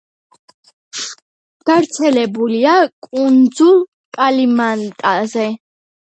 გავრცელებულია კუნძულ კალიმანტანზე.